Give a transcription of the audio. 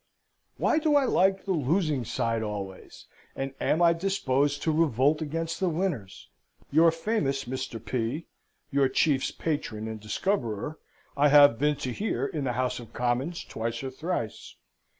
Why do I like the losing side always, and am I disposed to revolt against the winners? Your famous Mr. P , your chief's patron and discoverer, I have been to hear in the House of Commons twice or thrice.